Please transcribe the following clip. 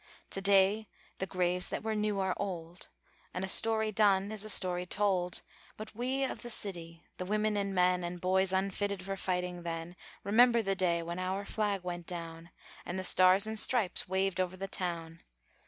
To day the graves that were new are old, And a story done is a story told; But we of the city, the women and men, And boys unfitted for fighting then, Remember the day when our flag went down, And the stars and stripes waved over the town.